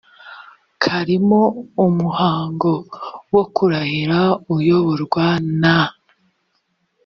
karimo umuhango wo kurahira uyoborwa na